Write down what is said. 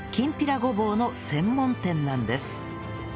ごぼうの専門店なんです